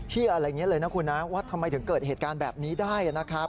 อะไรอย่างนี้เลยนะคุณนะว่าทำไมถึงเกิดเหตุการณ์แบบนี้ได้นะครับ